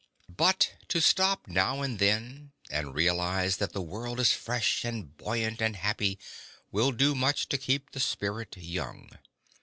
But to stop now and then and realize that the world is fresh and buoyant and happy, will do much to keep the spirit young.